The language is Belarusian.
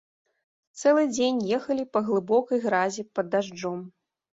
Цэлы дзень ехалі па глыбокай гразі пад дажджом.